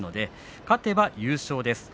勝てば優勝です。